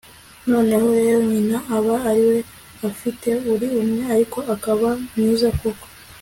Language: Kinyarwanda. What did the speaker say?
noneho rero nyina aba ari we afite ari umwe, ariko akaba mwiza koko